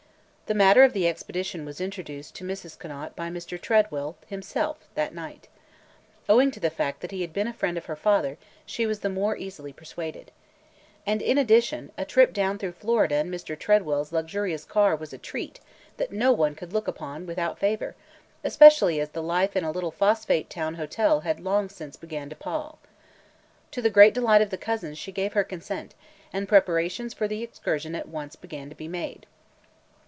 The matter of the expedition was introduced to Mrs. Conant by Mr. Tredwell himself that night. Owing to the fact that he had been a friend of her father, she was the more easily persuaded. And, in addition, a trip down through Florida in Mr. Tredwell's luxurious car was a treat that no one could look upon without favor, especially as the life in a little "phosphate town hotel" had long since begun to pall. To the great delight of the cousins, she gave her consent, and preparations for the excursion at once began to be made.